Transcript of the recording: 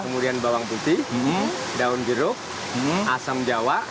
kemudian bawang putih daun jeruk asam jawa